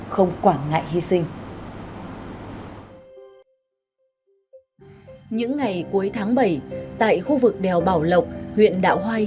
không quản ngại hy sinh những ngày cuối tháng bảy tại khu vực đèo bảo lộc huyện đạo hoai